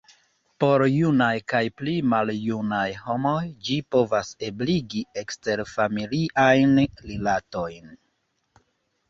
Por junaj kaj pli maljunaj homoj ĝi povas ebligi eksterfamiliajn rilatojn.